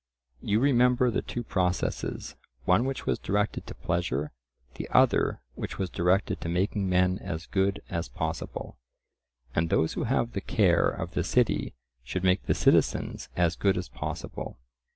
You remember the two processes—one which was directed to pleasure, the other which was directed to making men as good as possible. And those who have the care of the city should make the citizens as good as possible.